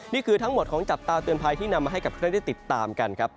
นี่คือทั้งหมดของจับตาเตือนภัยที่นำมาให้กับเพื่อนได้ติดตามกันครับ